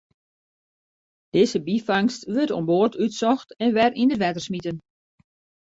Dizze byfangst wurdt oan board útsocht en wer yn it wetter smiten.